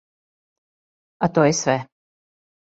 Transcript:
А то је све.